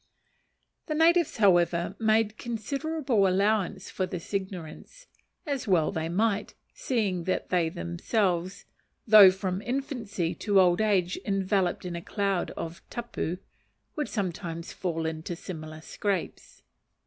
The natives, however, made considerable allowance for this ignorance; as well they might, seeing that they themselves, though from infancy to old age enveloped in a cloud of tapu, would sometimes fall into similar scrapes.